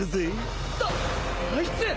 △叩あいつ！